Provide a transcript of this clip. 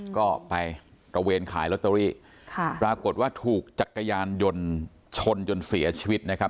ก็ไปตระเวนขายลอตเตอรี่ค่ะปรากฏว่าถูกจักรยานยนต์ชนจนเสียชีวิตนะครับ